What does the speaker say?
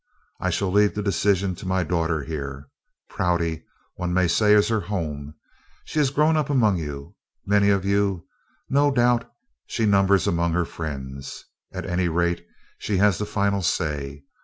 I shall leave the decision to my daughter here. Prouty, one may say, is her home. She has grown up among you. Many of you, no doubt, she numbers among her friends. At any rate, she has the final say.